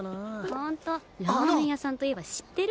ラーメン屋さんといえば知ってる？